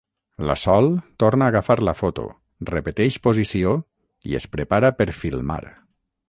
La Sol torna a agafar la foto, repeteix posició i es prepara per filmar.